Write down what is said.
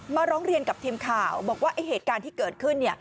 ร้องเรียนกับทีมข่าวบอกว่าไอ้เหตุการณ์ที่เกิดขึ้น